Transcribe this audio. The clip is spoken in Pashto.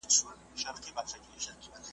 چي ناوخته به هیلۍ کله راتللې .